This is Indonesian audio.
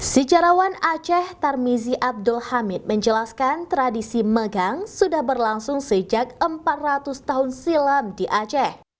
sejarawan aceh tarmizi abdul hamid menjelaskan tradisi megang sudah berlangsung sejak empat ratus tahun silam di aceh